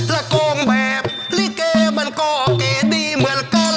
และโกงแบบริเกย์มันก็แก่ดีเหมือนกัน